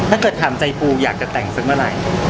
ถ้าเธอถามใจปูอยากจะแต่งเสิร์ฟเมื่อไหร่